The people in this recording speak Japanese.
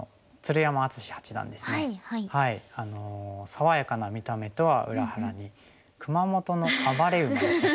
爽やかな見た目とは裏腹に「熊本の暴れ馬」でしたっけ。